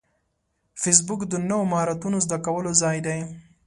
فېسبوک د نوو مهارتونو زده کولو ځای دی